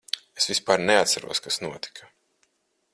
Es vispār neatceros, kas notika.